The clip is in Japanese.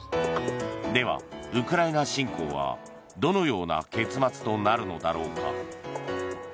では、ウクライナ侵攻はどのような結末となるのだろうか。